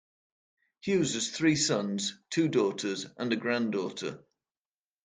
Hughes has three sons, two daughters, and a granddaughter.